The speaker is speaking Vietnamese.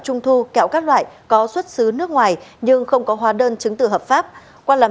trung thu kẹo các loại có xuất xứ nước ngoài nhưng không có hóa đơn chứng tử hợp pháp qua làm